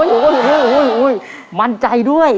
โอ้โหมั่นใจด้วย